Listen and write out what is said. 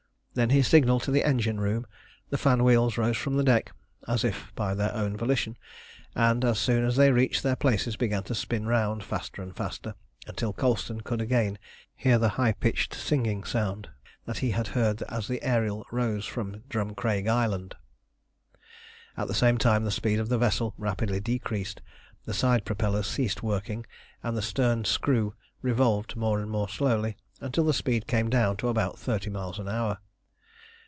Then he signalled to the engine room, the fan wheels rose from the deck, as if by their own volition, and, as soon as they reached their places, began to spin round faster and faster, until Colston could again hear the high pitched singing sound that he had heard as the Ariel rose from Drumcraig Island. At the same time the speed of the vessel rapidly decreased; the side propellers ceased working, and the stern screw revolved more and more slowly, until the speed came down to about thirty miles an hour.